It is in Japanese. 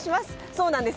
そうなんです